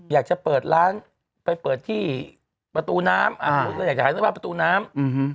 อยากจะเปิดแล้วไปเปิดที่ประตูน้ำ